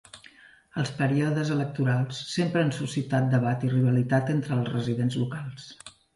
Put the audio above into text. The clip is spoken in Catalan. Els períodes electorals sempre han suscitat debat i rivalitat entre els residents locals.